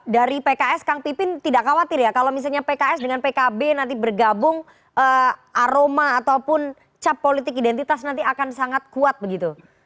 dari pks kang pipin tidak khawatir ya kalau misalnya pks dengan pkb nanti bergabung aroma ataupun cap politik identitas nanti akan sangat kuat begitu